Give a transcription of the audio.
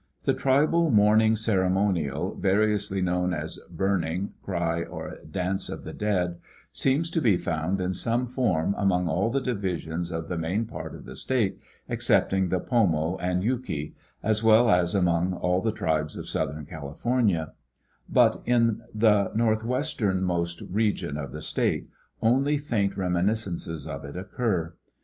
The tribal mourning ceremonial, variously known as burning, cry, or dance of the dead, seems to be found in some form among all the divisions of the main part of the state excepting the Porno and Yuki, as well as among all the tribes of Southern California; but in the north westernmost region of the state only faint reminiscences of it occur.